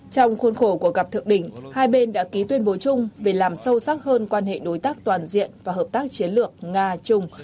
trong khuôn khổ của gặp thượng đỉnh hai bên đã ký tuyên bố chung về làm sâu sắc hơn quan hệ đối tác toàn diện và hợp tác chiến lược nga trung